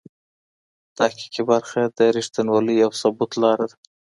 تحقیقي برخه د رښتینولۍ او ثبوت لاره ده.